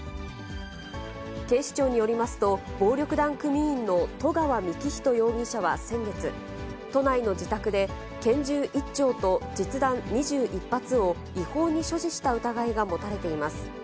警視庁によりますと、暴力団組員の十川幹仁容疑者は先月、都内の自宅で拳銃１丁と実弾２１発を違法に所持した疑いが持たれています。